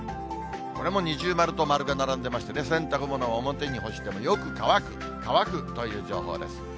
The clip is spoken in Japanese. これも二重丸と丸が並んでましてね、洗濯物を表に干してもよく乾く、乾くという情報です。